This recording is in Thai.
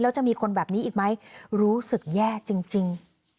แล้วจะมีคนแบบนี้อีกไหมรู้สึกแย่จริง